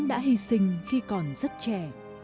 đã hy sinh khi còn rất trẻ